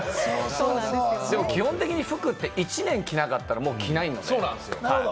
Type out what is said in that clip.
基本的に服って１年着なかったら、もう着ないんですよ。